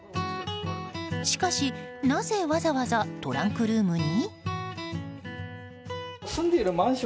しかし、なぜわざわざトランクルームに？